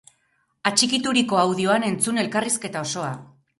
Atxikituriko audioan entzun elkarrizketa osoa!